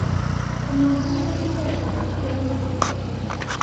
umuntu ni we wihesha agaciro n’icyubahiro